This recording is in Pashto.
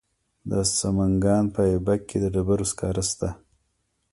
د سمنګان په ایبک کې د ډبرو سکاره شته.